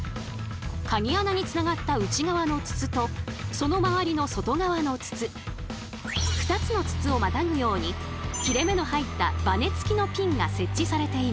カギ穴につながった内側の筒とその周りの外側の筒２つの筒をまたぐように切れ目の入ったバネつきのピンが設置されています。